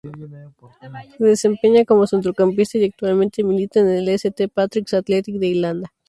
Se desempeña como centrocampista y actualmente milita en el St Patrick's Athletic de Irlanda.